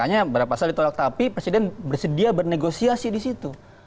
hanya berapa saat ditolak tapi presiden bersedia bernegosiasi di situ